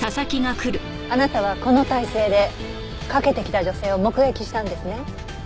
あなたはこの体勢で駆けてきた女性を目撃したんですね？